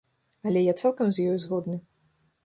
Але я цалкам з ёю згодны.